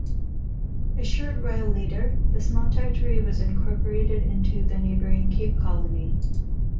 A short while later, the small territory was incorporated into the neighbouring Cape Colony.